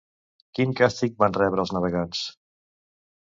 Quin càstig van rebre els navegants?